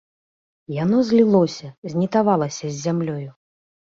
Яно злілося, знітавалася з зямлёю.